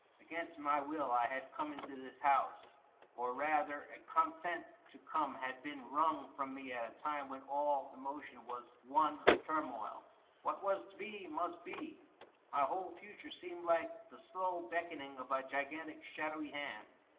Agaiinst my will I had come into this house— or rather a consent to come had been wrung from me at a time when all emotion was one turmoil. What was to be, must be. My whole future seemed like the slow beckoning of a gigantic shadowy hand.